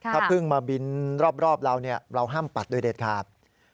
ถ้าเพิ่งมาบินรอบเราเราห้ามปัดโดยเด็ดขาด